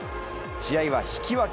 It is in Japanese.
試合は引き分け。